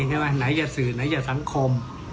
ที่นี่บ้างไหนจะสื่อไหนจะสังคม